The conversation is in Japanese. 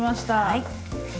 はい。